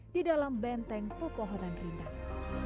di dalam benteng pepohonan rindang